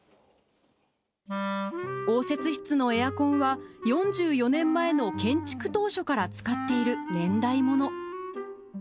応接室のエアコンは、４４年前の建築当初から使っている年代物。